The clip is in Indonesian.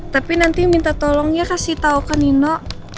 tapi nanti minta tolongnya kasih tahu ke nino